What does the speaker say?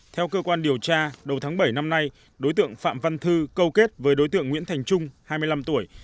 theo cơ quan điều tra đầu tháng bảy năm nay đối tượng phạm văn thư câu kết với đối tượng nguyễn thành trung hai mươi năm tuổi